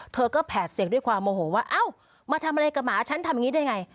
เธอก็แผดเสียงด้วยความโมโหว่าเอ้ามาทำอะไรกับหมาฉันทำอย่างนี้ได้ไง